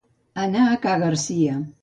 Anar a ca Garcia.